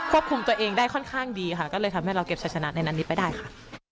คุมตัวเองได้ค่อนข้างดีค่ะก็เลยทำให้เราเก็บใช้ชนะในนั้นนี้ไปได้ค่ะ